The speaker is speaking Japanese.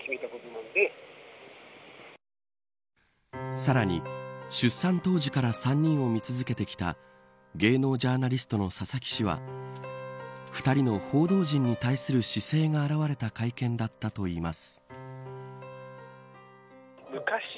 さらに、出産当時から３人を見続けてきた芸能ジャーナリストの佐々木氏は２人の、報道陣に対する姿勢が表れた会見だったといいます。